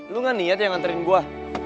lu gak niat ya nganterin gue